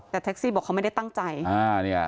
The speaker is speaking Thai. แต่แท็กซี่บอกเขาไม่ได้ตั้งใจ